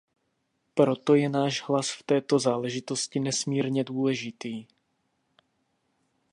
Proto je náš hlas v této záležitosti nesmírně důležitý.